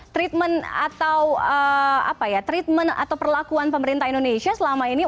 treatment atau treatment atau perlakuan pemerintah indonesia selama ini